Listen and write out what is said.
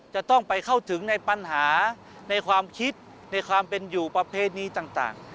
จะต้องไปเข้าถึงในปัญหาในความคิดในความเป็นอยู่ประเพณีต่าง